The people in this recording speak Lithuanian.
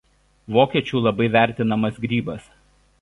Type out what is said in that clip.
Vokiečių labai vertinamas grybas.